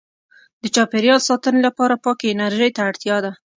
• د چاپېریال ساتنې لپاره پاکې انرژۍ ته اړتیا ده.